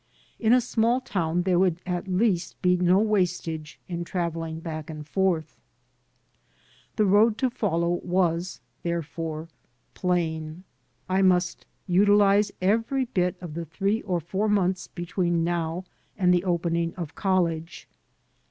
In a small town there would at least be no wastage in traveling back and forth. The road to follow was, therefore, plain: I must utilize every bit of the three or four months between now and the opening of college.